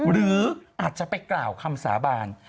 หรืออาจจะไปกล่าวคำสาบาน